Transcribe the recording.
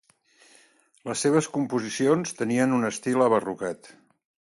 Les seves composicions tenien un estil abarrocat.